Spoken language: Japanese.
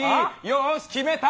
よし決めた！